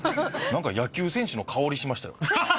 野球選手の香りしましたよ。